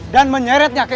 dan menyeretnya ke istana